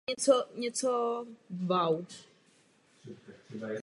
V československé lize hrál za Tatran Prešov a Slovan Bratislava.